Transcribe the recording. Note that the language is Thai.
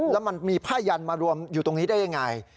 แล้วมันมีผ้ายันมารวมอยู่ตรงนี้ได้ยังไง